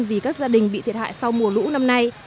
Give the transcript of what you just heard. vì các gia đình bị thiệt hại sau mùa lũ năm nay